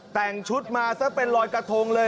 แต่งชุดมาซะเป็นรอยกระทงเลย